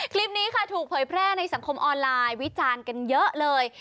คลิปนี้ค่ะถูกเผยแพร่ในสังคมออนไลน์วิจารณ์กันเยอะเลย